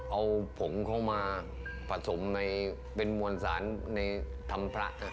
เอาผงเขามาผสมในเป็นมวลสารในธรรมพระ